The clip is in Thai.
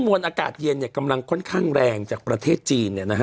มวลอากาศเย็นยังสะท้านแรงจากประเทศจีน